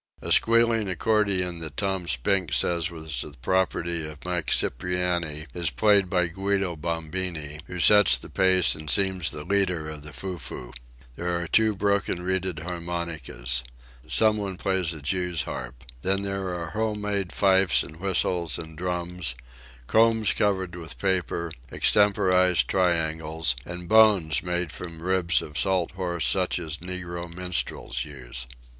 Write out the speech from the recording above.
A squealing accordion that Tom Spink says was the property of Mike Cipriani is played by Guido Bombini, who sets the pace and seems the leader of the foo foo. There are two broken reeded harmonicas. Someone plays a jew's harp. Then there are home made fifes and whistles and drums, combs covered with paper, extemporized triangles, and bones made from ribs of salt horse such as negro minstrels use.